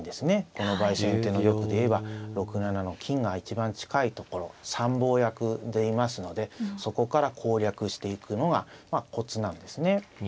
この場合先手の玉で言えば６七の金が一番近いところ参謀役でいますのでそこから攻略していくのがコツなんですね。